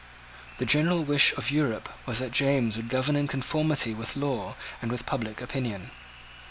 The general wish of Europe was that James would govern in conformity with law and with public opinion.